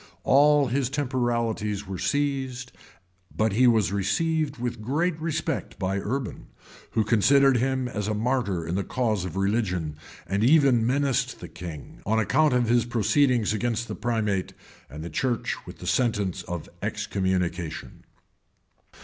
All his temporalities were seized;[] but he was received with great respect by Urban, who considered him as a martyr in the cause of religion, and even menaced the king, on account of his proceedings against the primate and the church with the sentence of excommunication.